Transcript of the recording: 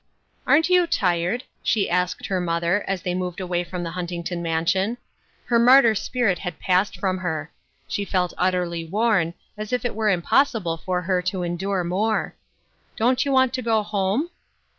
"Aren't you tired?" she asked her mother, as they moved away from the Huntington man sion. Her martyr spirit had passed from her. She felt' utterly worn, as if it were impossible for her to endure more. " Don't you want to go home?"